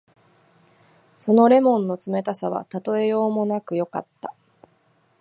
その檸檬の冷たさはたとえようもなくよかった。